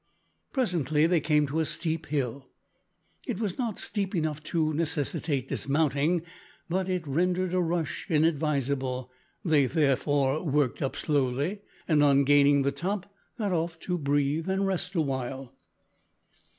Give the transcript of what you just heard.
Presently they came to a steep hill. It was not steep enough to necessitate dismounting, but it rendered a rush inadvisable. They therefore worked up slowly, and, on gaining the top, got off to breathe and rest a while.